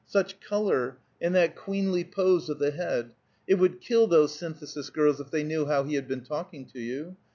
Such color, and that queenly pose of the head! It would kill those Synthesis girls if they knew how he had been talking to you.